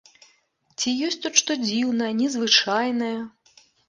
Ці ёсць тут што дзіўнае, незвычайнае?